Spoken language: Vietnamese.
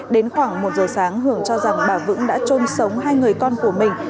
đến khoảng một giờ sáng hưởng cho rằng bà vững đã trôn sống hai người con của mình